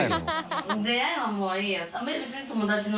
出会いはもういいよ。